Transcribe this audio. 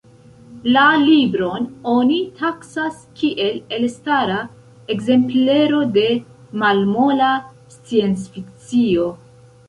La libron oni taksas kiel elstara ekzemplero de malmola sciencfikcio.